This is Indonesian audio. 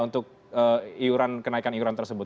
untuk iuran kenaikan iuran tersebut